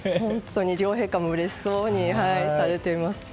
両陛下もうれしそうにされています。